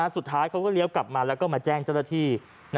สุดท้ายเขาก็เลี้ยวกลับมามาแจ้งจรฐธี